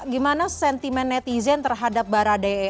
gimana sentimen netizen terhadap baradae